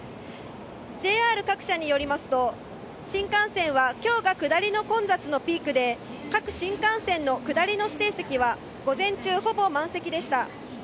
ＪＲ各社によりますと新幹線は今日が下りの混雑のピークで各新幹線の下りの指定席は午前中、ほぼ満席でした。